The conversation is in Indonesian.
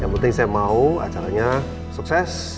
yang penting saya mau acaranya sukses